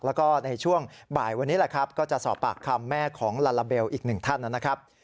แล้วก็ในช่วงบ่ายวันนี้แหละครับก็จะสอบปากคำแม่ของลาลาเบลอีกหนึ่งท่านนะครับ